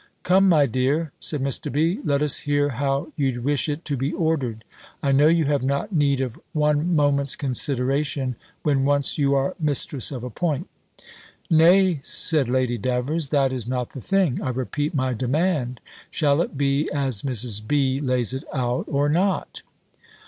"Come, my dear," said Mr. B., "let us hear how you'd wish it to be ordered. I know you have not need of one moment's consideration, when once you are mistress of a point." "Nay," said Lady Davers, "that is not the thing. I repeat my demand: shall it be as Mrs. B. lays it out, or not?"